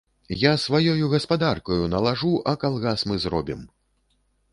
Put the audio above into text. Я сваёю гаспадаркаю налажу, а калгас мы зробім.